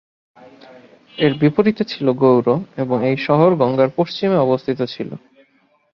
এর বিপরীতে ছিল গৌড় এবং এই শহর গঙ্গার পশ্চিমে অবস্থিত ছিল।